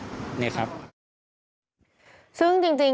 แต่ภายหลังได้รับแจ้งว่ากำลังจะแต่งงาน